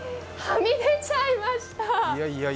はみ出ちゃいました。